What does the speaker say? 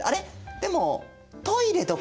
でもトイレどこ？